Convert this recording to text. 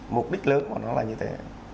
mục đích lớn của nó là như thế